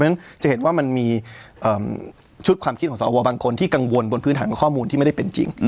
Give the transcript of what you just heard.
เพราะฉะนั้นจะเห็นว่ามันมีชุดความคิดของสวบางคนที่กังวลบนพื้นฐานของข้อมูลที่ไม่ได้เป็นจริง